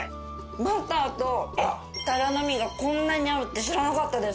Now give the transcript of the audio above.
バターと鱈の身がこんなに合うって知らなかったです。